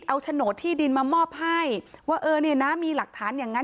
เอาโฉนดที่ดินมามอบให้ว่าเออเนี่ยนะมีหลักฐานอย่างนั้น